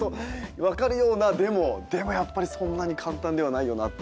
分かるようなでもやっぱりそんなに簡単ではないよなってことも。